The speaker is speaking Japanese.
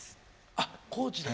あ高知で。